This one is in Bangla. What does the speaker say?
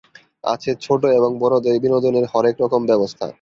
আছে ছোট এবং বড়দের বিনোদনের হরেক রকম ব্যবস্থা।